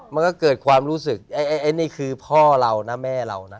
มันก็เกิดความรู้สึกไอ้นี่คือพ่อเรานะแม่เรานะ